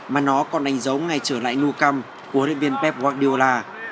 mà nó còn đánh dấu ngay trở lại nu căm của huấn luyện viên pep guardiola